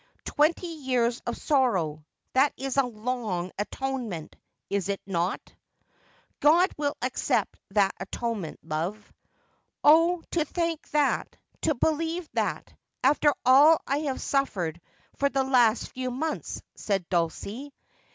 Twenty years of sorrow ! That is a long atonement, is it not 1 ' 'God will accept that atonement, love.' ' Oh, to think that, to believe that, after all I have suffered for the last few months,' said Dulcie.